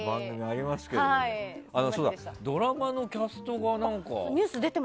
そうだドラマのキャストが何か。